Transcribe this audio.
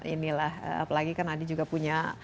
inilah apalagi kan adi juga punya